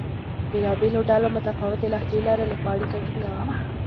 بېلابېلو ډلو متفاوتې لهجې لرلې؛ خو اړیکه ټینګه وه.